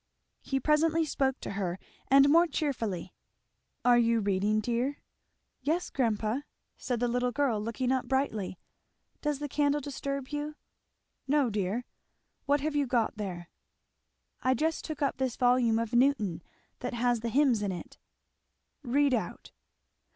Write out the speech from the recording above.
He presently spoke to her, and more cheerfully. "Are you reading, dear?" "Yes, grandpa!" said the little girl looking up brightly. "Does the candle disturb you?" "No, dear! What have you got there?" "I just took up this volume of Newton that has the hymns in it." "Read out."